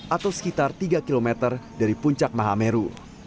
atau sekitar tiga km dari puncak mahameru